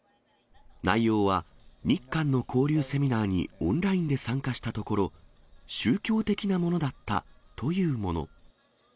内容は、日韓の交流セミナーにオンラインで参加したところ、宗教的なものだったというもの。